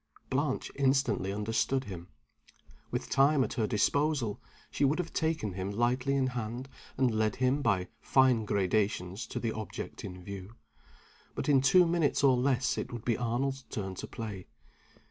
Blanche instantly understood him. With time at her disposal, she would have taken him lightly in hand, and led him, by fine gradations, to the object in view. But in two minutes or less it would be Arnold's turn to play.